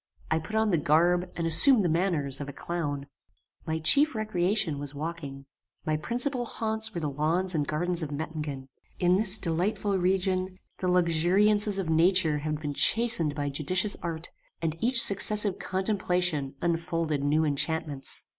I put on the garb and assumed the manners of a clown. "My chief recreation was walking. My principal haunts were the lawns and gardens of Mettingen. In this delightful region the luxuriances of nature had been chastened by judicious art, and each successive contemplation unfolded new enchantments.